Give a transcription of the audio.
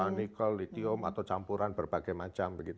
ya bisa nickel litium atau campuran berbagai macam